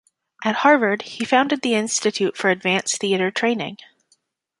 At Harvard, he founded the Institute for Advanced Theater Training.